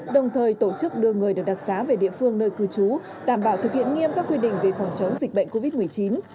đồng thời tổ chức đưa người được đặc xá về địa phương nơi cư trú đảm bảo thực hiện nghiêm các quy định về phòng chống dịch bệnh covid một mươi chín